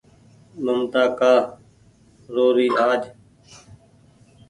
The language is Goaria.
ممتآ ڪآ رو آج